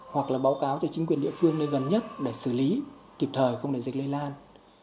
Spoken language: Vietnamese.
hoặc là báo cáo cho chính quyền địa phương nơi gần nhất để xử lý kịp thời không để dịch lây lan